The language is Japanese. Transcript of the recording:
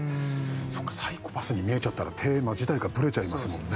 そっかサイコパスに見えちゃったらテーマ自体がぶれちゃいますもんね